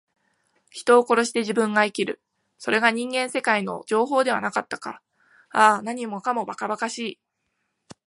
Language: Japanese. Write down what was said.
人を殺して自分が生きる。それが人間世界の定法ではなかったか。ああ、何もかも、ばかばかしい。